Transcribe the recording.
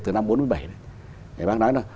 từ năm bốn mươi bảy thì bác nói là